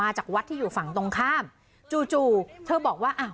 จากวัดที่อยู่ฝั่งตรงข้ามจู่จู่เธอบอกว่าอ่ะ